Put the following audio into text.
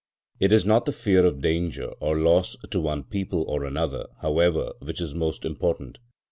It is not the fear of danger or loss to one people or another, however, which is most important.